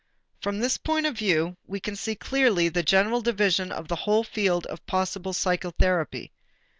From this point of view we can see clearly the general division of the whole field of possible psychotherapy.